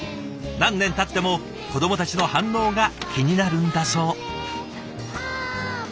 何年たっても子どもたちの反応が気になるんだそう。